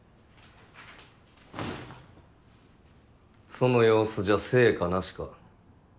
その様子じゃ成果なしか。